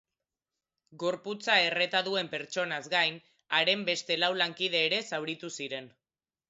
Gorputza erreta duen pertsonaz gain, haren beste lau lankide ere zauritu ziren.